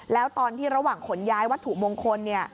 แล้วตอนที่ระหว่างขนย้ายวัตถุมงคล